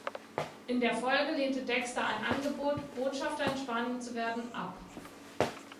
In der Folge lehnte Dexter ein Angebot, Botschafter in Spanien zu werden, ab.